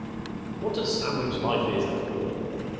"What a sandwich life is, after all!"